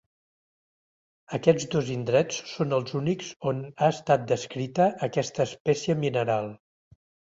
Aquests dos indrets són els únics on ha estat descrita aquesta espècie mineral.